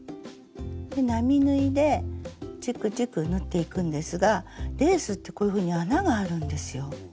並縫いでチクチク縫っていくんですがレースってこういうふうに穴があるんですよ。